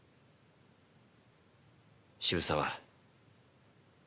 渋沢